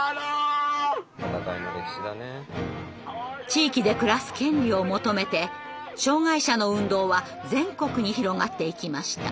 地域で暮らす権利を求めて障害者の運動は全国に広がっていきました。